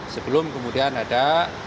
sebelum kemudian ada